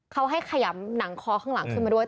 เขาให้ขยำหนังคอข้างหลังขึ้นมาด้วย